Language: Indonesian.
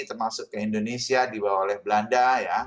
termasuk ke indonesia dibawa oleh belanda ya